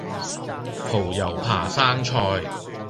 蠔油扒生菜